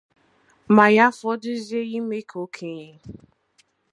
ma ya fọdụzie ime ka okenye